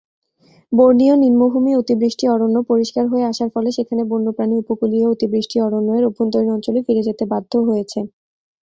Borneo নিম্নভূমি অতিবৃষ্টি অরণ্য পরিষ্কার হয়ে আসার ফলে সেখানের বন্যপ্রাণী উপকূলীয় অতিবৃষ্টি অরণ্য-এর অভ্যন্তরীণ অঞ্চলে ফিরে যেতে বাধ্য হয়েছে।